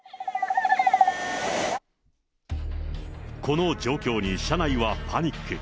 この状況に車内はパニック。